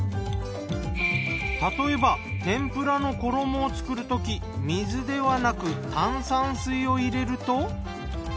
例えば天ぷらの衣を作るとき水ではなく炭酸水を入れると。